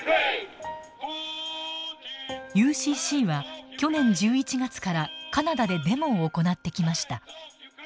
ＵＣＣは去年１１月からカナダでデモを行ってきました。